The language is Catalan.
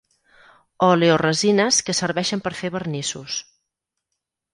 Oleoresines que serveixen per fer vernissos.